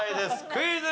クイズ。